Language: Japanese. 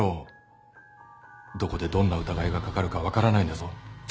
どこでどんな疑いが掛かるか分からないんだぞ。